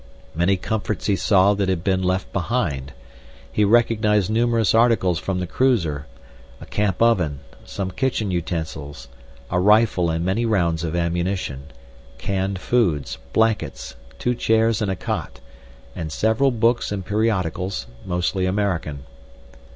Many comforts he saw that had been left behind. He recognized numerous articles from the cruiser—a camp oven, some kitchen utensils, a rifle and many rounds of ammunition, canned foods, blankets, two chairs and a cot—and several books and periodicals, mostly American.